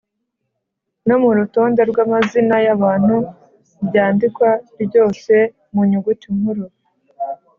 no mu rutonde rw‟amazina y‟abantu ryandikwa ryose mu nyuguti nkuru.